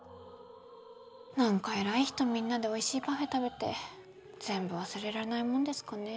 なんか偉い人みんなでおいしいパフェ食べて全部忘れられないもんですかねえ。